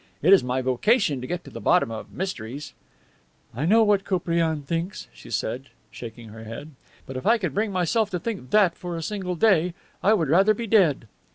It is my vocation to get to the bottom of mysteries." "I know what Koupriane thinks," she said, shaking her head. "But if I could bring myself to think that for a single day I would rather be dead."